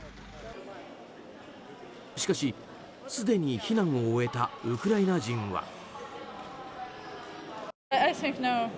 しかし、すでに避難を終えたウクライナ人は。